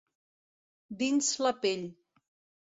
Dins la pell.